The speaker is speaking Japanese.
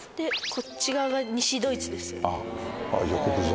こっち側が西ドイツですよね。